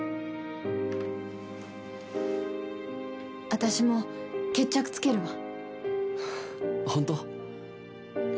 私も、決着つけるわ。